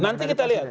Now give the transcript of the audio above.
nanti kita lihat